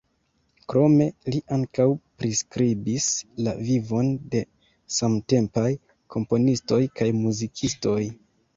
Krome li ankaŭ priskribis la vivon de samtempaj komponistoj kaj muzikistoj.